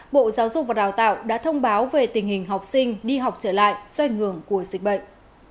bộ giáo dục và đào tạo đã thông báo về tình hình học sinh đi học trở lại do ảnh hưởng của dịch bệnh